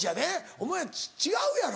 お前違うやろ？